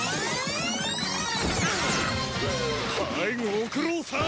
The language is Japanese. はいご苦労さん！